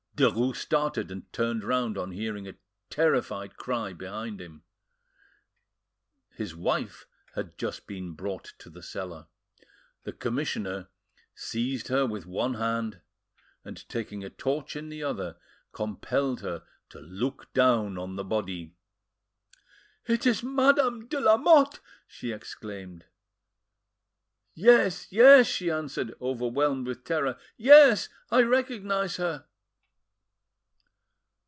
Derues started and turned round on hearing a terrified cry behind him. His wife had just been brought to the cellar. The commissioner seized her with one hand, and taking a torch in the other, compelled her to look down on the body. "It is Madame de Lamotte!" she exclaimed. "Yes, yes," she answered, overwhelmed with terror,—"yes, I recognise her!"